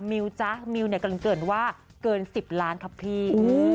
มิวจ๊ะมิวเนี่ยกันเกินว่าเกินสิบล้านครับพี่อู๋